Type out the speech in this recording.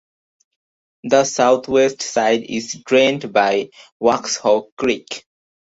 The southwest side is drained by Waxhaw Creek.